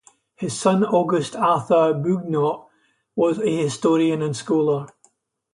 His son Auguste Arthur Beugnot was an historian and scholar.